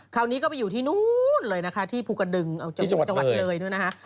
คราวนี้ก็ไปอยู่ที่นู้นเลยนะคะที่ภูกระดึงจังหวัดเลยนู่นนะคะ